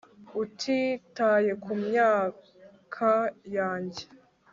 utitaye ku myaka yanjye